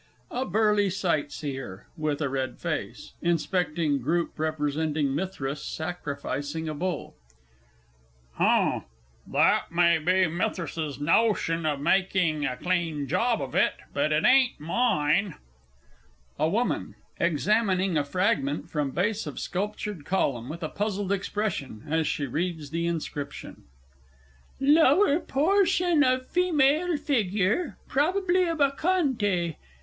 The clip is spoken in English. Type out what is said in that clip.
_ A BURLY SIGHTSEER with a red face (inspecting group representing "Mithras Sacrificing a Bull"). H'm; that may be Mithras's notion of making a clean job of it, but it ain't mine! A WOMAN (examining a fragment from base of sculptured column with a puzzled expression as she reads the inscription). "Lower portion of female figure probably a Bacchante."